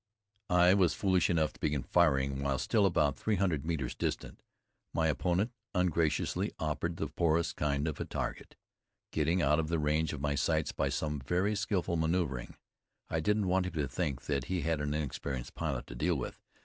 I was foolish enough to begin firing while still about three hundred metres distant. My opponent ungraciously offered the poorest kind of a target, getting out of the range of my sights by some very skillful maneuvering. I didn't want him to think that he had an inexperienced pilot to deal with.